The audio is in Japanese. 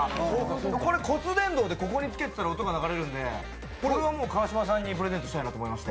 骨電動でここにつけていたら音が流れるので、これを川島さんにプレゼントしたいと思いまして。